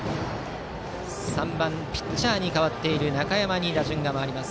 ３番、ピッチャーに代わっている中山に打順が回ります。